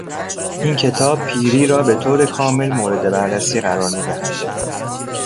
این کتاب پیری را به طور کامل مورد بررسی قرار میدهد.